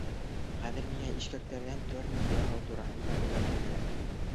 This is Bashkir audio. Хәҙер миңә ишкәктәрҙән тормоз яһау тураһында уйларға кәрәк.